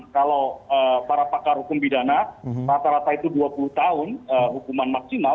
kalau para pakar hukum pidana rata rata itu dua puluh tahun hukuman maksimal